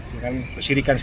dengan persirikan sirik